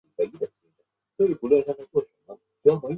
几人在船上遇到决意追随屠苏的襄铃。